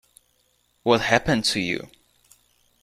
What happened to you?